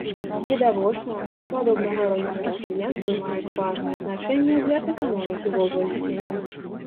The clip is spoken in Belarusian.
Відавочна, што падобнага роду мерапрыемствы маюць важнае значэнне для эканомікі вобласці.